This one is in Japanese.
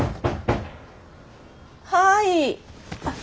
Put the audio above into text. はい。